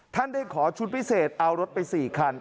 ได้ขอชุดพิเศษเอารถไป๔คัน